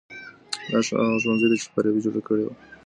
دا هغه ښوونځی دی چي فارابي جوړ کړی و.